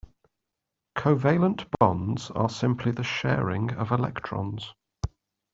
Covalent bonds are simply the sharing of electrons.